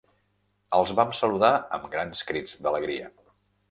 Els vam saludar amb grans crits d'alegria